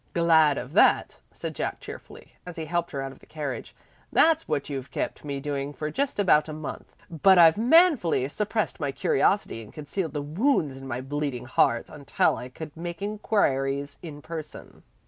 "Glad of that," said Jack cheerfully, as he helped her out of the carriage. "That's what you've kept me doing for just about a month. But I've manfully suppressed my curiosity and concealed the wounds in my bleeding heart until I could make inquiries in person."